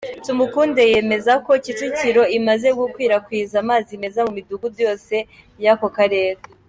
Tumukunde yemeza ko Kicukiro imaze gukwirakwiza amazi meza mu Midugudu yose y’ako Karere.